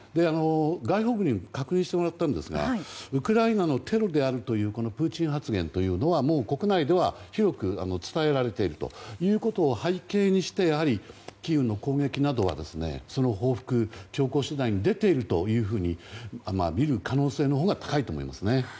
外報部にも確認してもらったんですがウクライナのテロであるというこのプーチン発言というのはもう国内では広く伝えられているということを背景にして、キーウの攻撃などはその報復、強硬手段に出ているというふうにみる可能性のほうが高いと思いますね。